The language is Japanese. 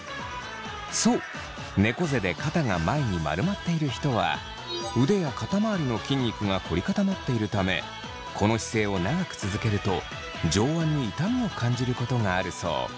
そうねこ背で肩が前に丸まっている人は腕や肩まわりの筋肉が凝り固まっているためこの姿勢を長く続けると上腕に痛みを感じることがあるそう。